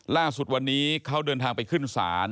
ล่าสุดวันนี้เขาเดินทางไปขึ้นศาล